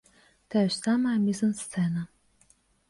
Тая ж самая мізансцэна.